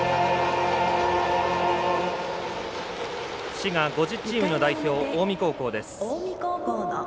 滋賀５０チームの代表近江高校です。